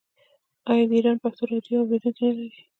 آیا د ایران پښتو راډیو اوریدونکي نلري؟